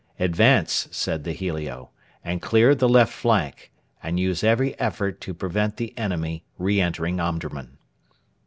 'Advance,' said the helio, 'and clear the left flank, and use every effort to prevent the enemy re entering Omdurman.'